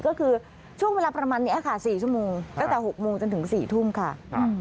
ก็คือช่วงเวลาประมาณนี้ค่ะ๔ชั่วโมงตั้งแต่๖โมงจนถึง๔ทุ่มค่ะ